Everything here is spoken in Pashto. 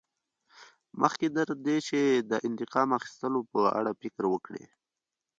مخکې تر دې چې د انتقام اخیستلو په اړه فکر وکړې.